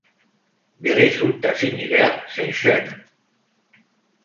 Des résultats similaires s'enchaînent.